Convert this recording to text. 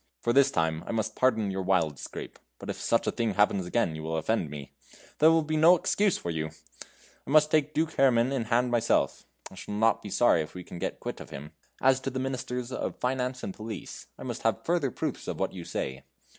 For this time I must pardon your wild scrape, but if such a thing happens again you will offend me. There will be no excuse for you! I must take Duke Herrman in hand myself. I shall not be sorry if we can get quit of him. As to the Ministers of Finance and Police. I must have further proofs of what you say.